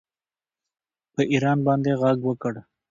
په ایران باندې غږ وکړ